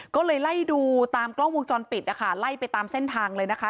ก็เลยไล่ดูตามกล้องวงจรปิดนะคะไล่ไปตามเส้นทางเลยนะคะ